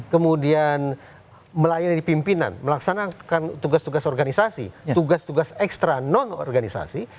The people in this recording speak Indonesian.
kemudian melayani pimpinan melaksanakan tugas tugas organisasi tugas tugas ekstra non organisasi